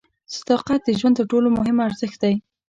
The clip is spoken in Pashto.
صداقت د ژوند تر ټولو مهم ارزښت دی.